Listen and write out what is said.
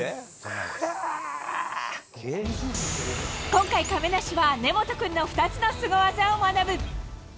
６０？今回、亀梨は根本君の２つのすご技を学ぶ。